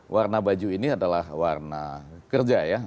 warna baju ini adalah warna kerja ya